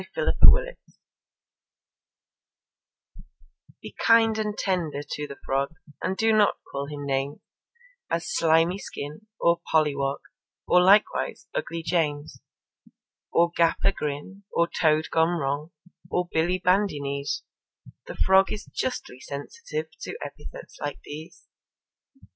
The Frog Be kind and tender to the Frog, And do not call him names, As "Slimy skin," or "Polly wog," Or likewise "Ugly James," Or "Gap a grin," or "Toad gone wrong," Or "Bill Bandy knees": The Frog is justly sensitive To epithets like these.